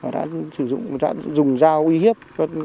đã dùng dao uy hiếp